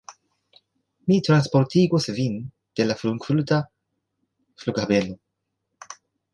Mi transportigos vin de la Frankfurta flughaveno.